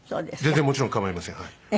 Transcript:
全然もちろん構いません。